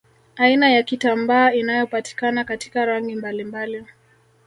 Aina ya kitambaa inayopatikana katika rangi mbalimbali